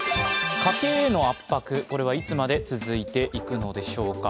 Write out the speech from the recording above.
家計への圧迫、これはいつまで続いていくのでしょうか。